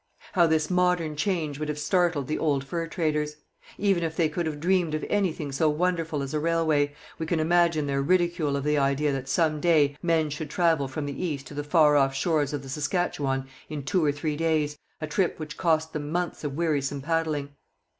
How this modern change would have startled the old fur traders! Even if they could have dreamed of anything so wonderful as a railway, we can imagine their ridicule of the idea that some day men should travel from the East to the far off shores of the Saskatchewan in two or three days, a trip which cost them months of wearisome paddling.